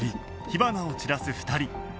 火花を散らす２人